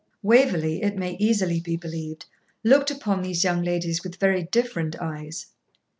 Waverley, it may easily be believed, looked upon these young ladies with very different eyes.